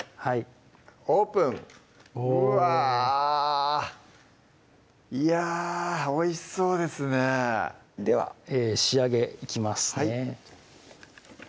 オープンうわいやおいしそうですねでは仕上げいきますね